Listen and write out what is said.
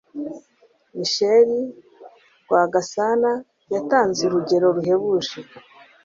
michel rwagasana yatanze urugero ruhebuje